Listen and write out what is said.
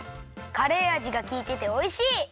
カレーあじがきいてておいしい！